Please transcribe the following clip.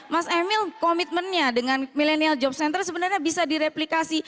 mas emil komitmennya dengan millennial job center sebenarnya bisa direplikasi